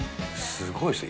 すごいですね。